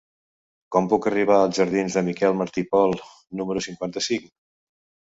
Com puc arribar als jardins de Miquel Martí i Pol número cinquanta-cinc?